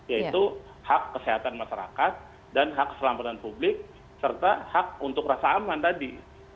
yaitu hak kesehatan masyarakat dan hak keselamatan publik serta hak untuk rasa aman tadi